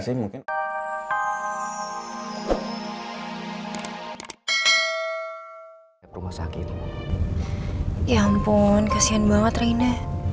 sih mungkin ya ampun kasihan banget rina